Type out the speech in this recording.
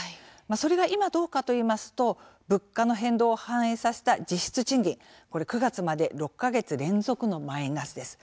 それが、今どうかといいますと物価の変動を反映させた実質賃金これ、９月まで６か月連続のマイナスです。